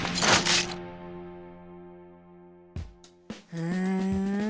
うん！